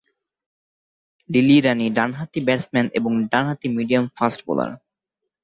Lily Rani ডানহাতি batsman এবং ডানহাতি মিডিয়াম ফাস্ট বোলার।